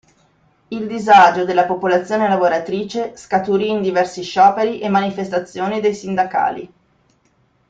Il disagio della popolazione lavoratrice scaturì in diversi scioperi e manifestazioni dei sindacali.